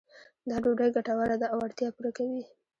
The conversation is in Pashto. دا ډوډۍ ګټوره ده او اړتیا پوره کوي.